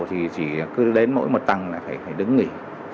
thì chỉ cứ đến mỗi một tầng là phải đứng nghỉ